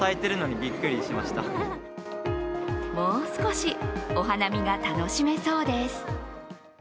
もう少し、お花見が楽しめそうです。